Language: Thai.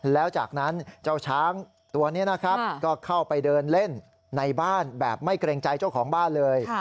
แล้วจากนั้นเจ้าช้างตัวนี้นะครับก็เข้าไปเดินเล่นในบ้านแบบไม่เกรงใจเจ้าของบ้านเลย